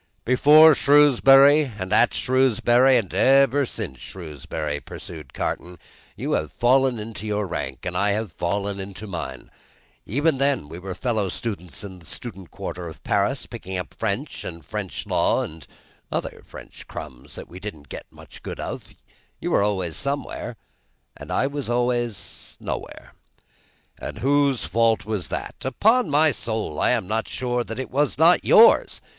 "Before Shrewsbury, and at Shrewsbury, and ever since Shrewsbury," pursued Carton, "you have fallen into your rank, and I have fallen into mine. Even when we were fellow students in the Student Quarter of Paris, picking up French, and French law, and other French crumbs that we didn't get much good of, you were always somewhere, and I was always nowhere." "And whose fault was that?" "Upon my soul, I am not sure that it was not yours.